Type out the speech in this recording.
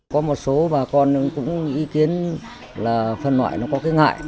có một số bà con cũng ý kiến là phân loại nó có cái ngại